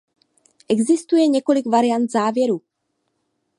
Existuje několik variant závěru.